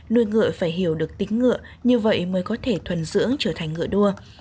nuôi ngựa phải hiểu được tính ngựa như vậy mới có thể thuần dưỡng trở thành ngựa đua